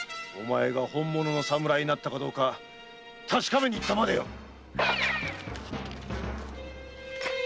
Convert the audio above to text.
おまえが本物の侍になったかどうか確かめに行ったまでよ！